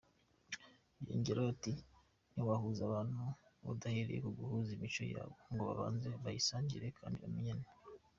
Yongeyeho ati “Ntiwahuza abantu udahereye mu guhuza imico yabo ngo babanze bayisangire kandi bamenyane.